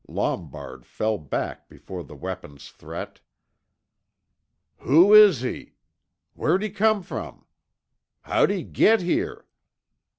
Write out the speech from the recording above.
Lombard fell back before the weapon's threat. "Who is he?" "Whar'd he come from?" "How'd he git here?"